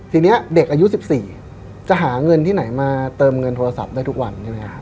ทีนี้เด็กอายุ๑๔จะหาเงินที่ไหนมาเติมเงินโทรศัพท์ได้ทุกวันใช่ไหมครับ